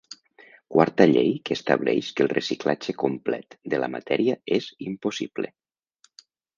Quarta llei que estableix que el reciclatge complet de la matèria és impossible.